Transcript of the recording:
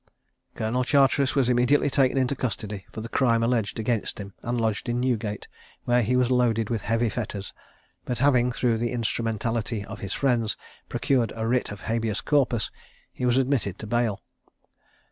Colonel Charteris was immediately taken into custody for the crime alleged against him and lodged in Newgate, where he was loaded with heavy fetters; but having, through the instrumentality of his friends, procured a writ of habeas corpus, he was admitted to bail.